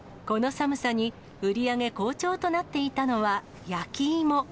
この寒さに売り上げ好調となっていたのは、焼き芋。